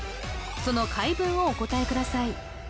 その回文をお答えください